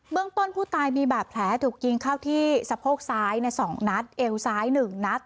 เมืองต้นผู้ตายมีบาดแผลถูกยิงเข้าที่สะโพกซ้ายใน๒นัดเอวซ้าย๑นัด